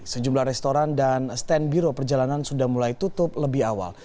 sejumlah restoran dan stand biro perjalanan sudah mulai tutup lebih awal